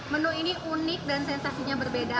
menu ini unik dan sensasinya berbeda